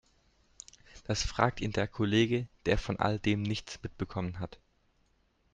Das fragt ihn der Kollege, der von all dem nichts mitbekommen hat.